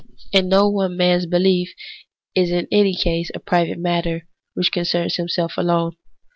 And no one man's behef is. in any case a private matter which concerns himself alone.